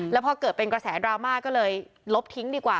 แล้วพอเกิดเป็นกระแสดราม่าก็เลยลบทิ้งดีกว่า